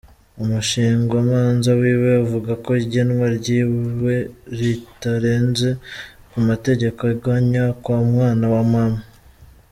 Umushingwamanza wiwe avuga ko igenwa ryiwe ritarenze ku mategeko agwanya ka mwana wa mama.